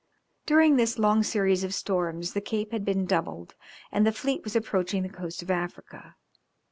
During this long series of storms the Cape had been doubled and the fleet was approaching the coast of Africa.